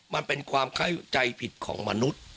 มันเป็นความเข้าใจผิดของมนุษย์